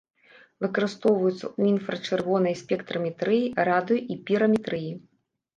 Выкарыстоўваюцца ў інфрачырвонай спектраметрыі, радыё- і піраметрыі.